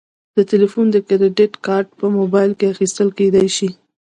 د تلیفون د کریدت کارت په موبایل کې اخیستل کیدی شي.